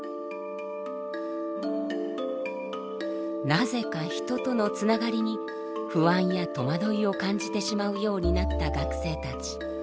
なぜか人とのつながりに不安や戸惑いを感じてしまうようになった学生たち。